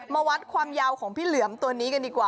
มาวัดความยาวของพี่เหลือมตัวนี้กันดีกว่า